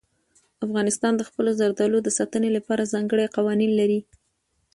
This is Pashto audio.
افغانستان د خپلو زردالو د ساتنې لپاره ځانګړي قوانین لري.